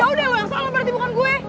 yaudah lu yang salah berarti bukan gue